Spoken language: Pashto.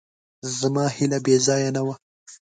زما هیله بېځایه نه وه.